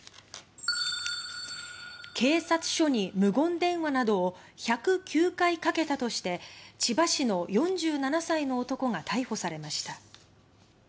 警察署に無言電話などを１０９回かけたとして千葉市の４７歳の男が逮捕されました。